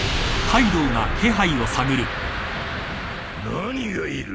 何がいる！？